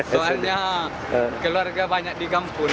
soalnya keluarga banyak di kampung